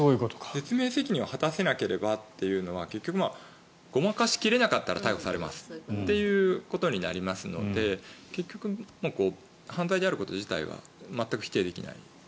説明責任を果たせなければというのは結局、ごまかし切れなかったら逮捕されますということになりますので結局、犯罪であることは全く否定できない。